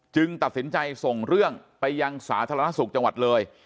ตัดสินใจส่งเรื่องไปยังสาธารณสุขจังหวัดเลย